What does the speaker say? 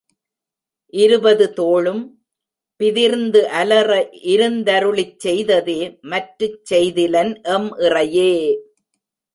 இருபது தோளும் பிதிர்ந்து அலற இருந்தருளிச் செய்ததே, மற்றுச் செய்திலன் எம் இறையே!